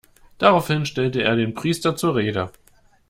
Daraufhin stellte er den Priester zur Rede.